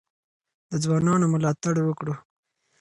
د ځوانانو ملاتړ وکړو.